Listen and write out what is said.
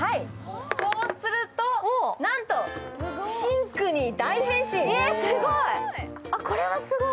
そうすると、なんとシンクに大変身これはすごい！